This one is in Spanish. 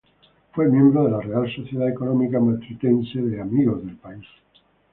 Fue miembro de la Real Sociedad Económica Matritense de Amigos del País.